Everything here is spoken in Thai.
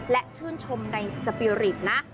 และชื่นชมในสปีริตนะ